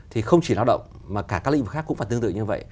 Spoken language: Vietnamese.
thì không chỉ lao động mà cả các lĩnh vực khác cũng phải tương tự như vậy